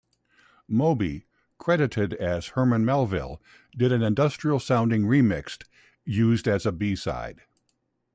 Moby, credited as "Herman Melville", did an industrial-sounding remix used as a B-side.